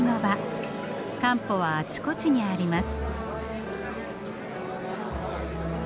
カンポはあちこちにあります。